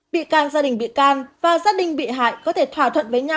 bị can gia đình bị can và gia đình bị hại có thể thỏa thuận với nhau